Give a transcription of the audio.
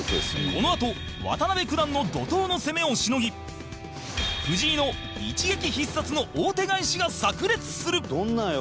このあと、渡辺九段の怒濤の攻めをしのぎ藤井の一撃必殺の王手返しが炸裂する伊達：どんなよ？